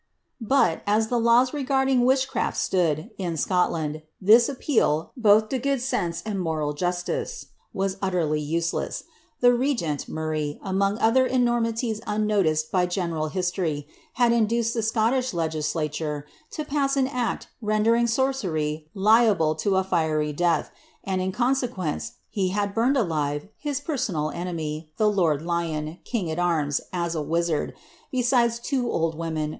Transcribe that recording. ' But, as the laws regarding witchcraft stood, in Scotland, (his appeal, both lo good sense and mural justice, was utterly useless. The re^rn'. Murray, among oilier enormities unnoticed by general hislor\ , had in duccil the Scottish legislature lo pass an act rendering sorcery liabli' 1' a fiery death, and, in consequence, he had burnt alive his personal ene my, the lord Lion, king at arms, as a wizard, besides l\t o old nomen.